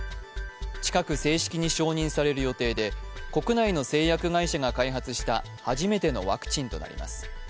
近く正式に承認される予定で国内の製薬会社が開発した初めてのワクチンとなります。